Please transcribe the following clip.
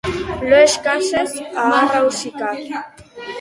Lo eskasez aharrausika.